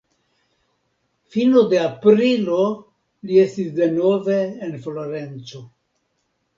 Fino de aprilo li estis denove en Florenco.